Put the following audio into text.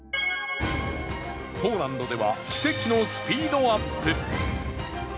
ポーランドでは奇跡のスピードアップ。